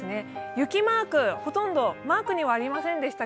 雪マーク、ほとんどマークにはありませんでした